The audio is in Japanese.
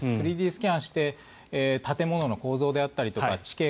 ３Ｄスキャンして建物の構造であったりとか地形